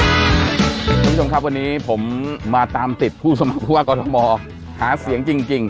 คุณผู้ชมครับวันนี้ผมมาตามติดผู้สมัครผู้ว่ากรทมหาเสียงจริง